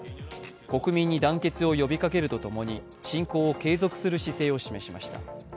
国民に団結を呼びかけるとともに、侵攻を継続する姿勢を示しました。